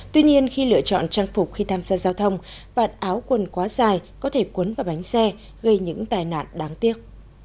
tuy nhiên khi lựa chọn trang phục khi tham gia giao thông vạn áo quần quá dài có thể cuốn vào bánh xe gây những tai nạn đáng tiếc